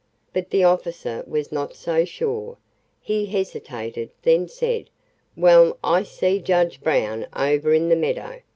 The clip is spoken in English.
But the officer was not so sure. He hesitated, then said: "Well, I see judge Brown over in the meadow.